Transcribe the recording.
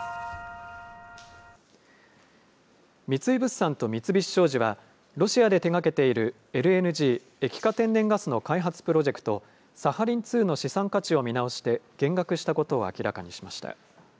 三井物産と三菱商事は、ロシアで手がけているＬＮＧ・液化天然ガスの開発プロジェクト、サハリン２の資産価値を見直して、減額したことを明らかにしました。